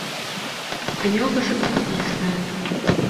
Они оба согласились на это.